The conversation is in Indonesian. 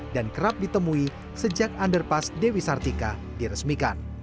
dan kerap ditemui sejak underpass dewi sartika diresmikan